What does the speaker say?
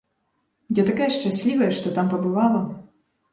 Я такая шчаслівая, што там пабывала!